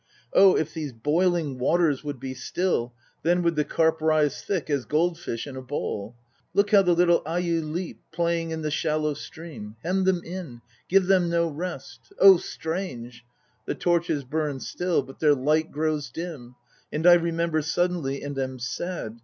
Oh if these boiling waters would be still, Then would the carp rise thick As goldfinch in a bowl. Look how the little ayu leap 2 Playing in the shallow stream. Hem them in: give them no rest! Oh strange! The torches burn still, but their light grows dim; And I remember suddenly and am sad.